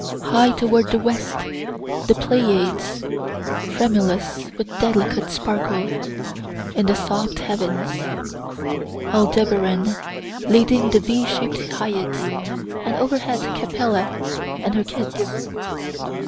High toward the west, the Pleiades, tremulous with delicate sparkle, in the soft heavens, Aldebaran, leading the V shaped Hyades and overhead Capella and her kids.